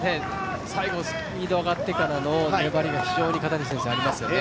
最後スピード上がってからの粘りが非常に片西選手ありますよね。